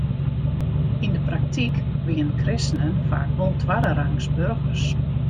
Yn de praktyk wienen kristenen faak wol twadderangs boargers.